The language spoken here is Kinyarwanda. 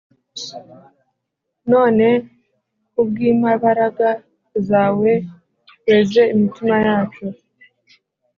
None kubw’imabaraga zawe weze imitima yacu